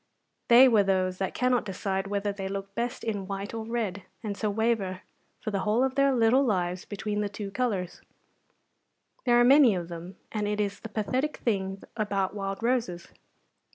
They were those that cannot decide whether they look best in white or red, and so waver for the whole of their little lives between the two colours; there are many of them, and it is the pathetic thing about wild roses.